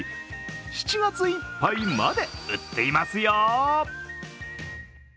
７月いっぱいまで売っていますよ。